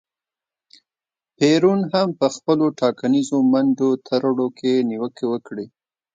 پېرون هم په خپلو ټاکنیزو منډو ترړو کې نیوکې وکړې.